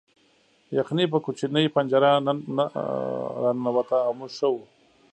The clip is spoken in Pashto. یخني په کوچنۍ پنجره نه راننوته او موږ ښه وو